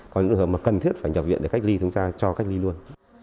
còn những trường hợp mà cần thiết phải nhập viện để cách ly chúng ta cho cách ly luôn